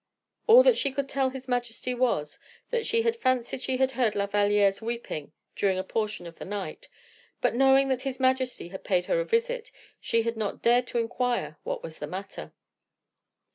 All that she could tell his majesty was, that she had fancied she had heard La Valliere's weeping during a portion of the night, but, knowing that his majesty had paid her a visit, she had not dared to inquire what was the matter.